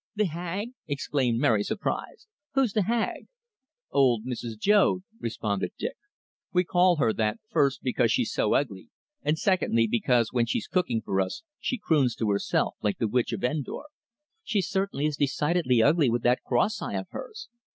"The Hag!" exclaimed Mary, surprised. "Who's the Hag!" "Old Mrs. Joad," responded Dick. "We call her that, first, because she's so ugly; and secondly, because when she's cooking for us she croons to herself like the Witch of Endor." "She certainly is decidedly ugly with that cross eye of hers.